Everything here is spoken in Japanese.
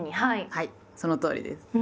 はいそのとおりです。